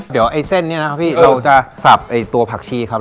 เดี๋ยวไอ้เส้นนี้นะครับพี่เราจะสับตัวผักชีครับ